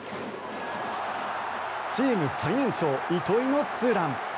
チーム最年長、糸井のツーラン。